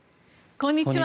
こんにちは。